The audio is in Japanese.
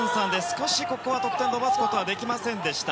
少し得点を伸ばすことができませんでした。